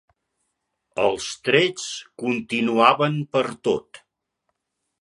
Els trets continuaven pertot.